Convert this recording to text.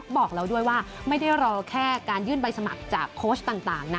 บอกแล้วด้วยว่าไม่ได้รอแค่การยื่นใบสมัครจากโค้ชต่างนะ